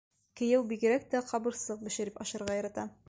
Кейәү бигерәк тә ҡабырсаҡ бешереп ашарға ярата.